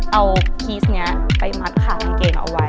เอาพีสนี้ไปมัดขากางเกงเอาไว้